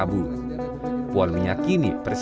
bu megang meminta hal itu pak